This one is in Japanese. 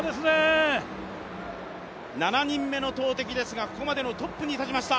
７人目の投てきですがここまでのトップに立ちました。